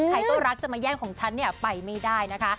ใครก็รักจะมาแย่งของฉันเนี่ยไปไม่ได้นะคะ